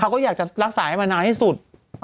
เขาก็อยากจะรักษาให้มานานที่สุด